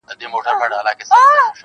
• له هر مذهب له هر پیمانه ګوښه -